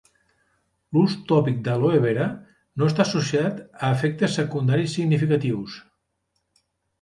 L'ús tòpic d'àloe vera no està associat a efectes secundaris significatius.